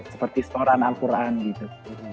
seperti seoran alquran gitu